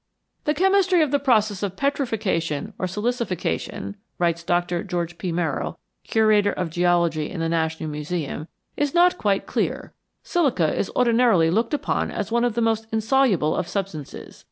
"The chemistry of the process of petrifaction or silicification," writes Doctor George P. Merrill, Curator of Geology in the National Museum, "is not quite clear. Silica is ordinarily looked upon as one of the most insoluble of substances.